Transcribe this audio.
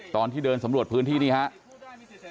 ตอนที่เดินสำรวจพื้นที่นี่ครับ